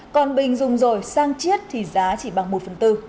còn bình dùng rồi sang chiết thì giá chỉ bằng một phần tư